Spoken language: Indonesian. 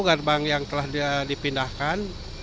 gerbang yang telah dipindahkan